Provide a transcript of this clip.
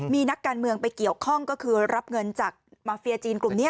มีนักการเมืองไปเกี่ยวข้องก็คือรับเงินจากมาเฟียจีนกลุ่มนี้